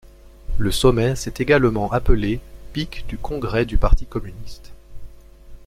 Le sommet s'est également appelé pic du Congrès du Parti Communiste.